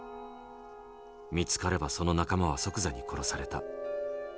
見つかればその仲間は即座に殺された。